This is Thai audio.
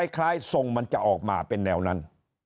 ทรงมันจะออกมาเป็นแนวนั้น